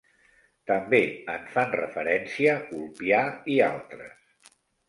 També en fan referència Ulpià i altres.